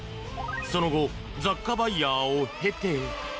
その後、雑貨バイヤーを経て。